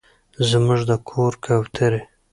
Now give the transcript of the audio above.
زموږ د کور کوترې